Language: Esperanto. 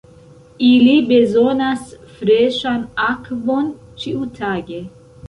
Ili bezonas freŝan akvon ĉiutage.